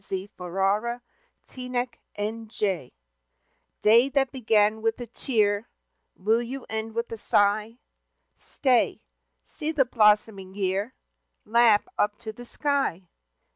X Good Bye Sorrow Day that began with a tear, Will you end with a sigh? Stay! See the blossoming year, Laugh up to the sky.